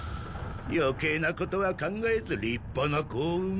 余計なことは考えず立派な子を産め。